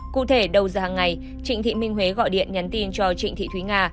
cụ thể đầu ra hàng ngày trịnh thị minh huế gọi điện nhắn tin cho trịnh thị thúy nga